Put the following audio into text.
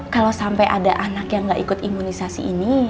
kalau sampai ada anak yang tidak ikut imunisasi ini